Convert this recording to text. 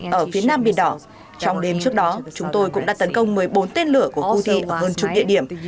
ở phía nam biển đỏ trong đêm trước đó chúng tôi cũng đã tấn công một mươi bốn tên lửa của houthi ở hơn chục địa điểm